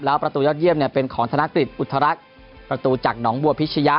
แล้วประตูยอดเยี่ยมเป็นของธนกฤษอุทรักษ์ประตูจากหนองบัวพิชยะ